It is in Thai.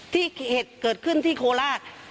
เหตุเกิดขึ้นที่โคราช